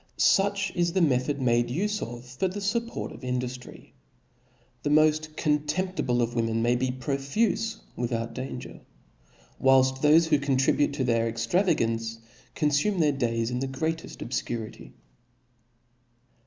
Such is the method made ufe of for the fupport of induftry j the moft contemptible of women may be profufe without danger, whilft thofe who contribute to their extravagance, confume their days in the greateft obfcurity.